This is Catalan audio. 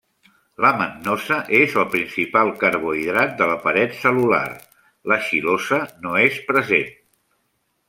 La mannosa és el principal carbohidrat de la paret cel·lular, la xilosa no és present.